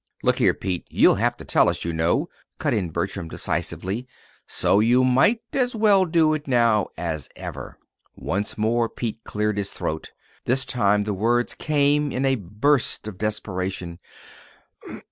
"Look here, Pete, you'll have to tell us, you know," cut in Bertram, decisively, "so you might as well do it now as ever." Once more Pete cleared his throat. This time the words came in a burst of desperation.